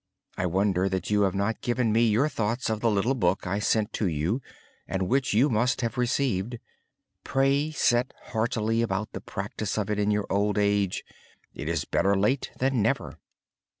I wonder that you have not given me your thoughts on the little book I sent to you and which you must have received. Set heartily about the practice of it in your old age. It is better late than never.